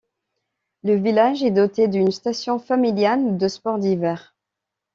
Le village est doté d'une station familiale de sport d'hiver.